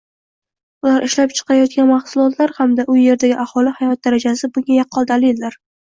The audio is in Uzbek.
ular ishlab chiqarayotgan mahsulotlar hamda u yerdagi aholi hayot darajasi bunga yaqqol dalildir.